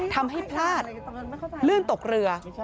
ทำให้พลาดลื่นตกเรือ